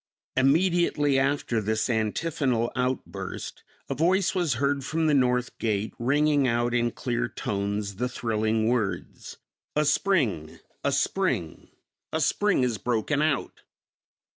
Immediately after this antiphonal outburst a voice was heard from the north gate, ringing out in clear tones the thrilling words, "A spring! A spring! A spring has broken out!"